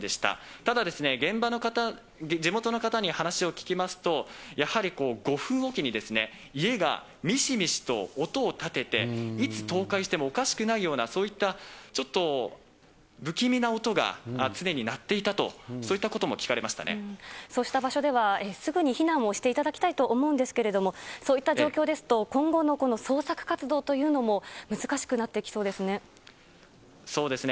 ただ、現場の方、地元の方に話を聞きますと、やはり５分置きに、家がみしみしと音を立てて、いつ倒壊してもおかしくないような、そういったちょっと不気味な音が常に鳴っていたと、そういっそうした場所では、すぐに避難をしていただきたいと思うんですけれども、そういった状況ですと、今後の捜索活動というのも難しくなってきそうですね。